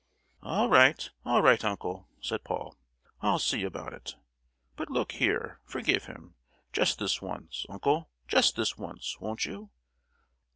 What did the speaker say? "All right, all right, uncle," said Paul; "I'll see about it. But look here—forgive him, just this once, uncle; just this once, won't you?"